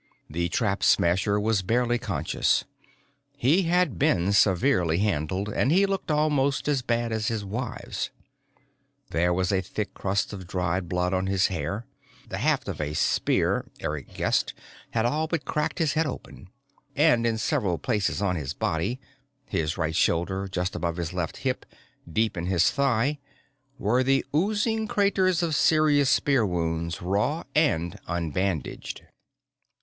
The Trap Smasher was barely conscious. He had been severely handled, and he looked almost as bad as his wives. There was a thick crust of dried blood on his hair. The haft of a spear, Eric guessed, had all but cracked his head open. And in several places on his body, his right shoulder, just above his left hip, deep in his thigh, were the oozing craters of serious spear wounds, raw and unbandaged.